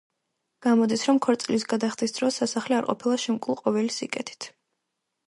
გამოდის, რომ ქორწილის გადახდის დროს სასახლე არ ყოფილა შემკული ყოველი სიკეთით.